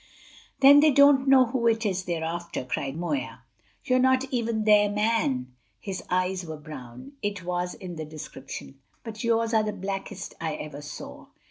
"Then they don't know who it is they're after!" cried Moya. "You're not even their man; his eyes were brown; it was in the description; but yours are the blackest I ever saw."